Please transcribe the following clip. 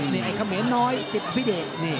นี่ไอ้เขมรน้อยสิทธิพิเดช